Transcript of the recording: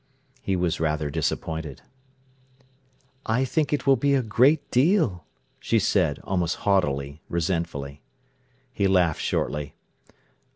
He was rather disappointed. "I think it will be a great deal," she said, almost haughtily, resentfully. He laughed shortly.